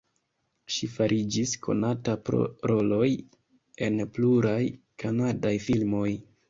Ŝi fariĝis konata pro roloj en pluraj kanadaj filmoj.